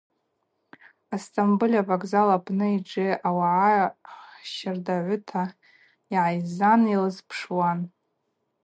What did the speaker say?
Астомбыль авокзал апны Эдже ауагӏа щардагӏвыта йгӏайззан йлызпшуан.